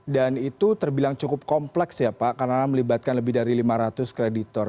dan itu terbilang cukup kompleks ya pak karena melibatkan lebih dari lima ratus kreditor